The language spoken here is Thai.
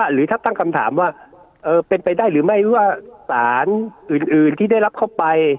หรือถ้าตั้งคำถามว่าเป็นไปได้หรือไม่ว่าสารอื่นที่ได้รับเข้าไป